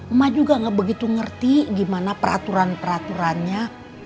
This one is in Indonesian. emak juga nggak begitu ngerti gimana peraturan peraturannya